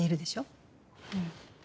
うん。